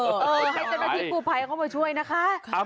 ให้เจ้าหน้าที่กู้ภัยเข้ามาช่วยนะคะ